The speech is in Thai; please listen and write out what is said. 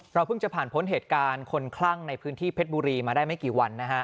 เพิ่งจะผ่านพ้นเหตุการณ์คนคลั่งในพื้นที่เพชรบุรีมาได้ไม่กี่วันนะฮะ